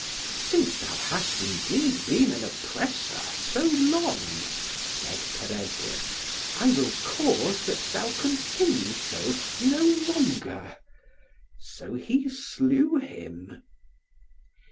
"Since thou hast, indeed, been an oppressor so long," said Peredur, "I will cause that thou continue so no longer." So he slew him.